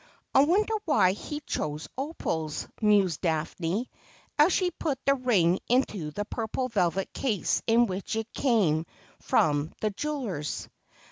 ' I wonder why he chose opals,' mused Daphne, as she put the ring into the purple velvet case in which it had come from the jeweller's.